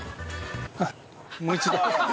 もう一度。